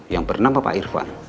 yang bernama pak irfan